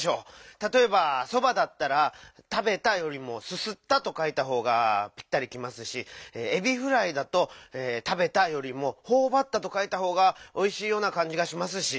たとえば「そば」だったら「たべた」よりも「すすった」とかいたほうがピッタリきますし「エビフライ」だと「たべた」よりも「ほおばった」とかいたほうがおいしいようなかんじがしますし。